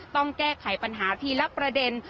ต้องแก้ไขปัญหาทีละประเด็น